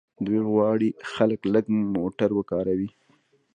دوی غواړي خلک لږ موټر وکاروي.